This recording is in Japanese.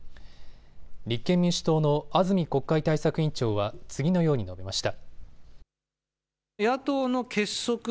立憲民主党の安住国会対策委員長は次のように述べました。